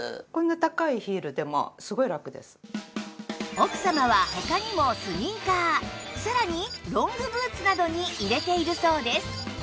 奥様は他にもスニーカーさらにロングブーツなどに入れているそうです